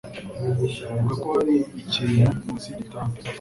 Avuga ko hari ikintu munsi yigitanda.